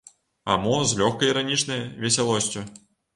А мо з лёгка-іранічнай весялосцю.